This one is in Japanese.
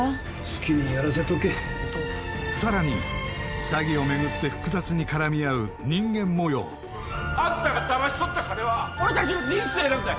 好きにやらせとけさらに詐欺を巡って複雑に絡み合う人間模様あんたがダマし取った金は俺達の人生なんだよ